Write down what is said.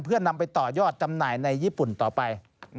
เพื่อนำไปต่อยอดจำหน่ายในญี่ปุ่นต่อไป